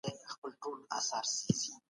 تخنیک د تولید لوړوالي لپاره مهم رول لري.